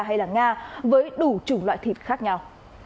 hay là nga với đủ chủng loại thịt khác nhau